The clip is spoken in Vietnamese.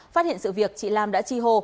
phát hiện sự việc chị lam đã chi hồ